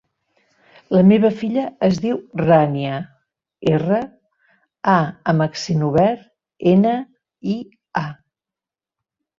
La meva filla es diu Rània: erra, a amb accent obert, ena, i, a.